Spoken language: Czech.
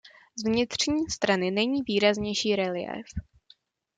Z vnitřní strany není výraznější reliéf.